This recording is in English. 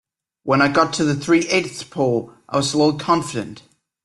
When I got to the three-eighths pole I was a little confident.